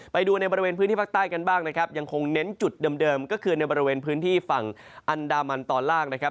ไปดูในบริเวณพื้นที่ภาคใต้กันบ้างนะครับยังคงเน้นจุดเดิมก็คือในบริเวณพื้นที่ฝั่งอันดามันตอนล่างนะครับ